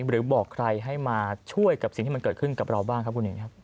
หรือบอกใครให้มาช่วยกับสิ่งที่มันเกิดขึ้นกับเราบ้างครับคุณหญิงครับ